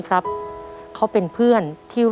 ตาย